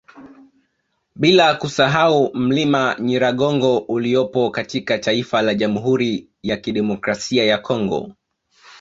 Bila kusahau mlima Nyiragongo uliopo katika taifa la Jamhuri ya Kidemokrasia ya Congo